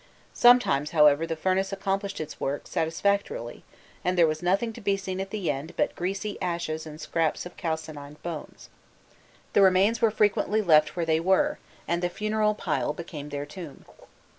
Sometimes, however, the furnace accomplished its work satisfactorily, and there was nothing to be seen at the end but greasy ashes and scraps of calcined bones. The remains were frequently left where they were, and the funeral pile became their tomb.